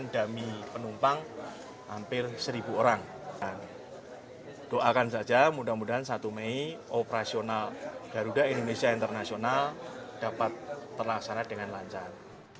doakan saja mudah mudahan satu mei operasional garuda indonesia internasional dapat terlaksana dengan lancar